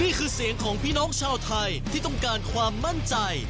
นี่คือเสียงของพี่น้องชาวไทยที่ต้องการความมั่นใจ